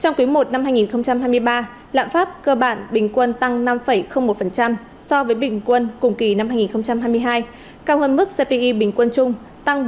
trong quý i năm hai nghìn hai mươi ba lãng pháp cơ bản bình quân tăng năm một so với bình quân cùng kỳ năm hai nghìn hai mươi hai cao hơn mức cpi bình quân chung tăng bốn một mươi tám